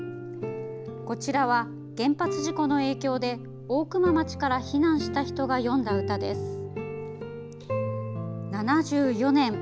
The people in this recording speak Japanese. こちらは、原発事故の影響で大熊町から避難した人が詠んだ歌です。